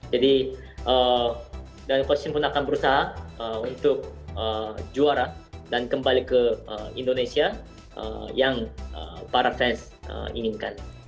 jadi dan coach shin pun akan berusaha untuk juara dan kembali ke indonesia yang para fans inginkan